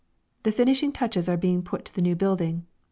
_ The finishing touches are being put to the new building.